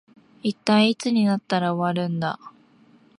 一体いつになったら終わるんだ